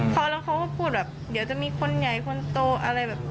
เขาแล้วเขาก็พูดแบบเดี๋ยวจะมีคนใหญ่คนโตอะไรแบบ